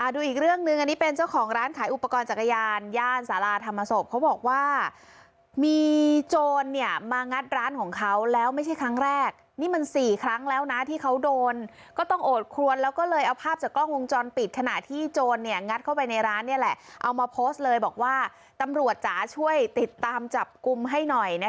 ดูอีกเรื่องหนึ่งอันนี้เป็นเจ้าของร้านขายอุปกรณ์จักรยานย่านสาราธรรมศพเขาบอกว่ามีโจรมางัดร้านของเขาแล้วไม่ใช่ครั้งแรกนี่มัน๔ครั้งแล้วนะที่เขาโดนก็ต้องโอดครวนแล้วก็เลยเอาภาพจากกล้องวงจรปิดขณะที่โจรงัดเข้าไปในร้านนี่แหละเอามาโพสต์เลยบอกว่าตำรวจจ๋าช่วยติดตามจับกลุ่มให้หน่อยนะคะ